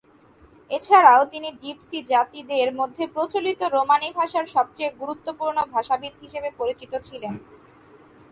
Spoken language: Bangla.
এছাড়াও তিনি জিপসি জাতিদের মধ্যে প্রচলিত রোমানি ভাষার সবচেয়ে গুরুত্বপূর্ণ ভাষাবিদ হিসেবে পরিচিত ছিলেন।